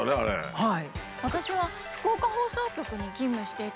はい。